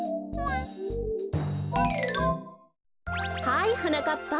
はいはなかっぱ。